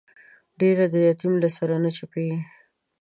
ډبره د يتيم له سره نه چپېږي.